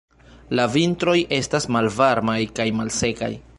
La vintroj estas malvarmaj kaj malsekaj.